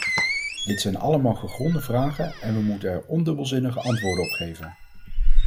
Dit zijn allemaal gegronde vragen en we moeten er ondubbelzinnige antwoorden op geven.